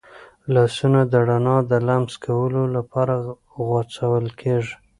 لاسونه د رڼا د لمس کولو لپاره غځول کېږي.